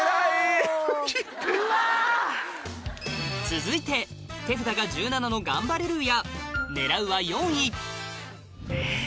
続いて手札が１７のガンバレルーヤ狙うは４位えぇ。